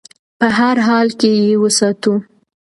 په هر حال کې یې وساتو.